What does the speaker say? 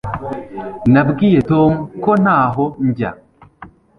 Nabwiye Tom ko ntaho njya